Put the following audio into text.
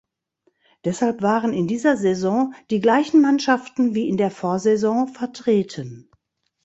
Deshalb waren in dieser Saison die gleichen Mannschaften wie in der Vorsaison vertreten.